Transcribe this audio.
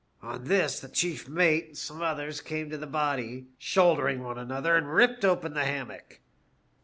'' On this the chief mate and some others came to the body, shouldering one another, and ripped open the hammock.